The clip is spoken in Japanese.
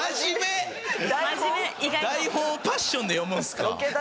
台本をパッションで読むんですか？